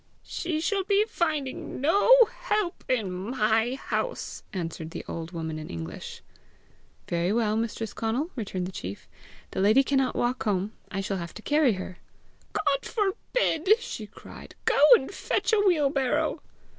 "She shall be finding no help in MY house!" answered the old woman in English. "Very well, Mistress Conal!" returned the chief; "the lady cannot walk home; I shall have to carry her!" "God forbid!" she cried. "Go and fetch a wheelbarrow."